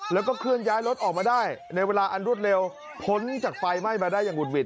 แล้วก็เคลื่อนย้ายรถออกมาได้ในเวลาอันรวดเร็วพ้นจากไฟไหม้มาได้อย่างหุดหิ